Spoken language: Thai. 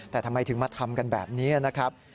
แต่ทำไมถึงมาทำกันแบบนี้นะครับ